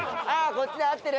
こっちで合ってる！